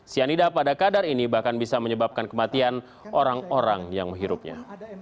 cyanida pada kadar ini bahkan bisa menyebabkan kematian orang orang yang menghirupnya